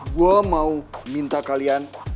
gua mau minta kalian